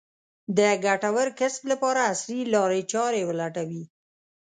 د ګټور کسب لپاره عصري لارې چارې ولټوي.